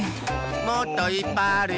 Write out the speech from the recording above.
もっといっぱいあるよ！